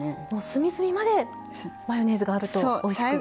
隅々までマヨネーズがあるとおいしく。